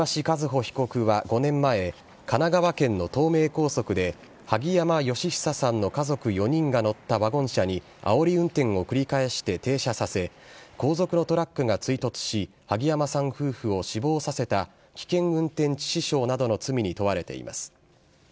和歩被告は５年前、神奈川県の東名高速で、萩山嘉久さんの家族４人が乗ったワゴン車にあおり運転を繰り返して停車させ、後続のトラックが追突し、萩山さん夫婦を死亡させた、危険運転致死傷などの罪に問われています。